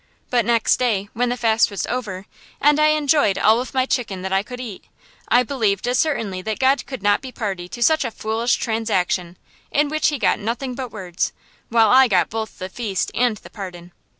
But next day, when the fast was over, and I enjoyed all of my chicken that I could eat, I believed as certainly that God could not be party to such a foolish transaction, in which He got nothing but words, while I got both the feast and the pardon.